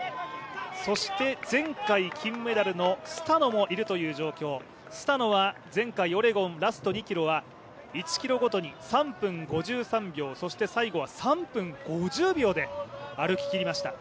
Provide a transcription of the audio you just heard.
そして、前回金メダルのスタノもいるという状況スタノは前回オレゴンラスト２ｋｍは１ｋｍごとに３分５３秒そして最後は３分５０秒で歩ききりました。